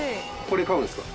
これ買うんですか？